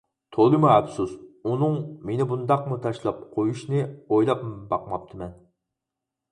تولىمۇ ئەپسۇس، ئۇنىڭ مېنى بۇنداقمۇ تاشلاپ قۇيۇشنى ئويلاپمۇ باقماپتىمەن.